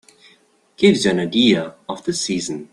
Gives you an idea of the season.